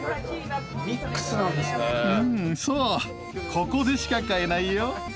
ここでしか買えないよ。